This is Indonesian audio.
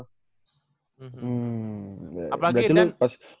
hmm berarti lu pas